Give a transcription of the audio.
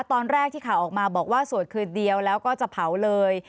ตอนแรกที่ข่าวออกมาบอกว่าสวดคืนเดียวแล้วก็จะเผาเลย